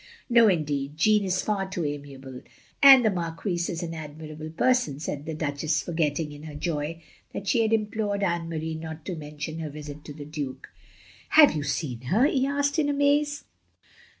" No, indeed, Jeanne is far too amiable; and the Marquise is an admirable person,' ' said the Duch ess ; forgetting, in her joy, that she had implored Anne Marie not to mention her visit to the Duke. " Have you seen her? " he asked in amaze.